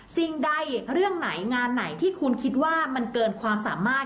สิ่งใดเรื่องไหนงานไหนที่คุณคิดว่ามันเกินความสามารถ